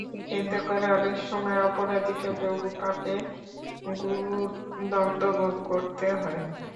এতে করে অনেক সময় অপরাধীকে লঘু পাপে গুরুদণ্ড ভোগ করতে হয়।